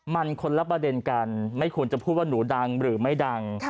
มันคนละประเด็นกันไม่ควรจะพูดว่าหนูดังหรือไม่ดัง